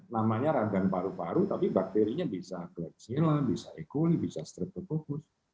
namanya ragam paru paru tapi bakterinya bisa kleksila bisa e coli bisa streptococcus